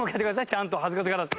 ちゃんと恥ずかしがらず。